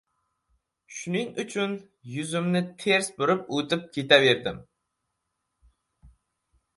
Shuning uchun yuzimni ters burib oʻtib ketaverdim.